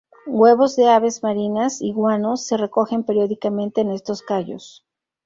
Huevos de aves marinas y guano se recogen periódicamente en estos cayos.